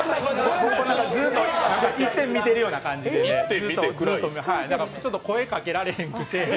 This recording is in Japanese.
ずっと一点見てるような感じでだから声かけられへんくて。